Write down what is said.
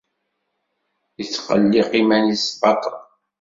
Ittqelliq iman-is baṭel.